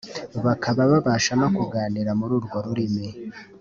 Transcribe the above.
bakaba babasha no kuganira muri urwo rurimi